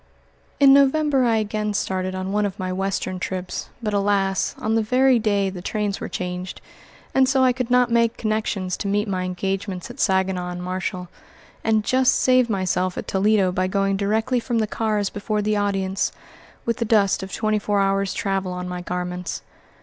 In November I again started on one of my Western trips, but, alas! on the very day the trains were changed, and so I could not make connections to meet my engagements at Saginaw and Marshall, and just saved myself at Toledo by going directly from the cars before the audience, with the dust of twenty four hours' travel on my garments.